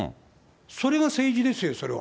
それが政治ですよ、それは。